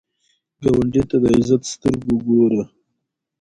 ګاونډي ته د عزت سترګو ګوره